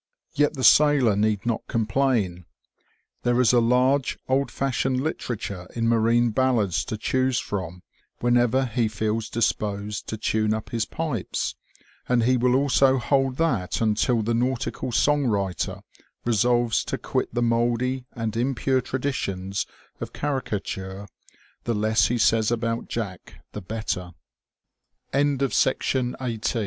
Yet the sailor need not complain. There is a large old fashioned literature in marine ballads to choose from whenever he feels disposed to tune up his pipes, and he will also hold that until the nautical song writer resolves to quit the mouldy and impure traditions of caricature, the less he says about Jack the bet